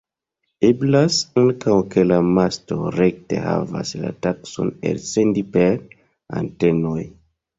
Eblas ankaŭ ke la masto rekte havas la taskon elsendi per antenoj.